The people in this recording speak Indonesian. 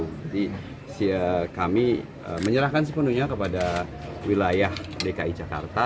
jadi kami menyerahkan sepenuhnya kepada wilayah dki jakarta